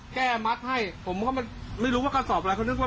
เบล้วมากครับขอประนามครับ